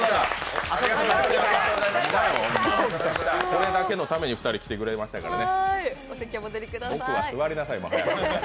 これだけのために２人来てくれましたからね。